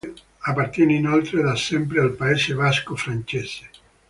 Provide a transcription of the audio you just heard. Appartiene inoltre, da sempre, al Paese Basco francese.